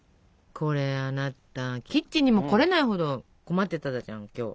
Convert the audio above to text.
これあなたキッチンにも来れないほど困ってたじゃん今日。